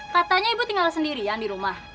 katanya ibu tinggal sendirian di rumah